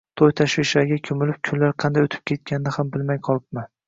To`y tashvishlariga ko`milib, kunlar qanday o`tib ketganini ham bilmay qolibman